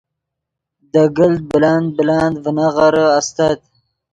دے گلت بلند بلند ڤینغیرے استت